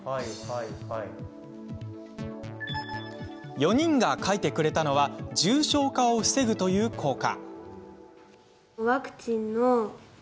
４人が書いてくれたのは重症化を防ぐという効果。